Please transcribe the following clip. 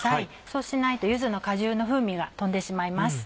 そうしないと柚子の果汁の風味が飛んでしまいます。